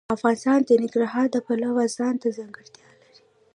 افغانستان د ننګرهار د پلوه ځانته ځانګړتیا لري.